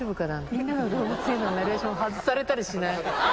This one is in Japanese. みんなの動物園のナレーション、外されたりしない？